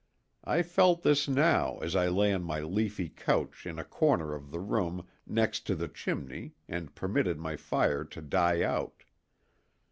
I felt this now as I lay on my leafy couch in a corner of the room next to the chimney and permitted my fire to die out.